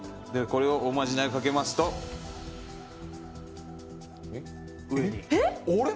これをおまじないをかけますとあれ？